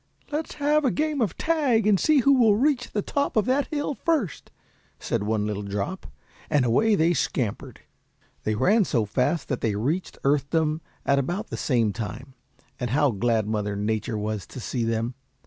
"Let's have a game of tag, and see who will reach the top of that hill first," said one little drop, and away they scampered. They ran so fast that they reached Earthdom at about the same time, and how glad Mother Nature was to see them.